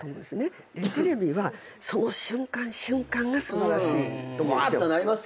でテレビはその瞬間瞬間が素晴らしいと思うんですよ。